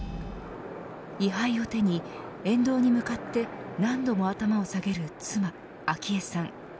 位牌を手に沿道に向かって何度も頭を下げる妻、昭恵さん。